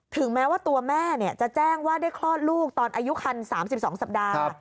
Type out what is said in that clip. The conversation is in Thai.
ถึงแม้ว่าตัวแม่จะแจ้งว่าได้คลอดลูกตอนอายุคัน๓๒สัปดาห์